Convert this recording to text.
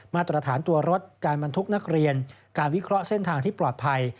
มาตรฐานตัวรถการบรรทุกนักเรียนการวิเคราะห์เส้นทางที่ปลอดภัย